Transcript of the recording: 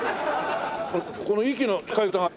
この息の使い方が。